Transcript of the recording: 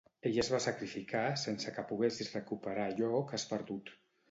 Ell es va sacrificar sense que poguessis recuperar allò que has perdut.